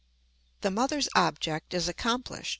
The mother's object is accomplished.